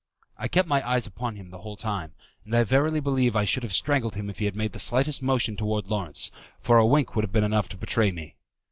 I kept my eyes upon him the whole time, and I verily believe I should have strangled him if he had made the slightest motion towards Lawrence, for a wink would have been enough to betray me.